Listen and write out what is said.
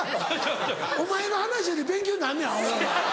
お前の話より勉強になんねんアホ。